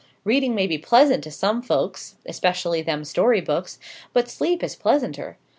Reading may be pleasant to some folks, especially them story books; but sleep is pleasanter.